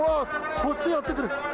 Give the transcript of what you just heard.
こっちやって来る。